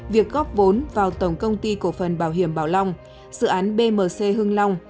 việc góp vốn vào tổng công ty cổ phần bảo hiểm bảo long dự án bmc hưng long